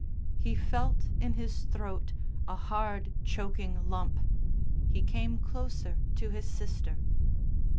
He felt in his throat a hard, choking lump. He came closer to his sister.